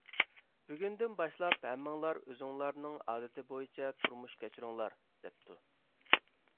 بۈگۈندىن باشلاپ، ھەممىڭلار ئۆزۈڭلارنىڭ ئادىتى بويىچە تۇرمۇش كەچۈرۈڭلار! دەپتۇ.